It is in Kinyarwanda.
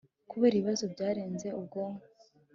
kubera ibibazo byarenze ubwonko